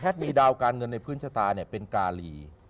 แพทย์มีดาวการเงินในพื้นชะตาเป็นกาหลี